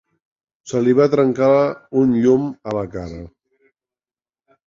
Se li va trencar un llum a la cara.